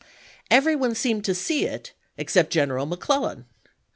Every one seemed to see it except General McClellan.